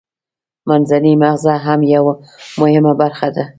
منځنی مغزه هم یوه مهمه برخه ده